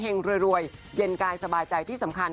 รวยเย็นกายสบายใจที่สำคัญ